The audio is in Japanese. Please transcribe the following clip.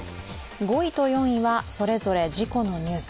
５位と４位はそれぞれ事故のニュース。